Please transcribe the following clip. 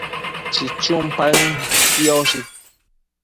chichun paën sioshi